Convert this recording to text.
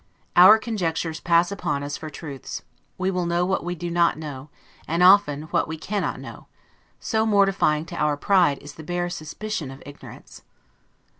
Our conjectures pass upon us for truths; we will know what we do not know, and often, what we cannot know: so mortifying to our pride is the bare suspicion of ignorance!